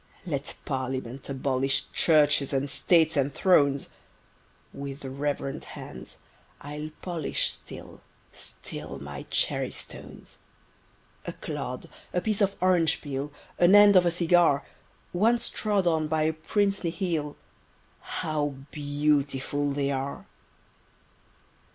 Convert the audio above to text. Let Parliament abolish Churches and States and Thrones: With reverent hand I'll polish Still, still my Cherrystones! A clod—a piece of orange peel An end of a cigar— Once trod on by a Princely heel, How beautiful they are!